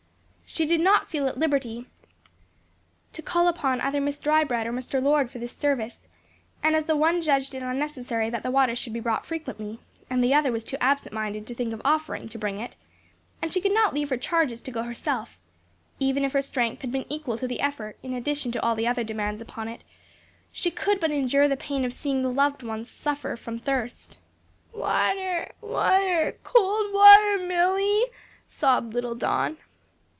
She did not feel at liberty to call upon either Miss Drybread or Mr. Lord for this service, and as the one judged it unnecessary that the water should be brought frequently and the other was too absent minded to think of offering to bring it, and she could not leave her charges to go herself, even if her strength had been equal to the effort in addition to all the other demands upon it, she could but endure the pain of seeing the loved ones suffer from thirst. "Water, water, cold water, Milly," sobbed little Don.